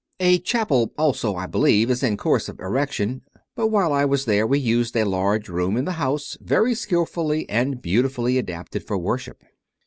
A chapel also, I believe, is in course of erection; but while I was there we used a large room in the house, very skilfully and beautifully adapted for worship.